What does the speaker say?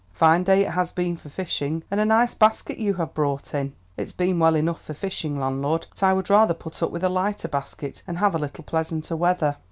"Fine day it has been for fishing, and a nice basket you have brought in." "It's been well enough for fishing, landlord, but I would rather put up with a lighter basket, and have a little pleasanter weather."